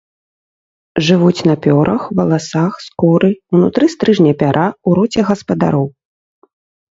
Жывуць на пёрах, валасах, скуры, унутры стрыжня пяра, у роце гаспадароў.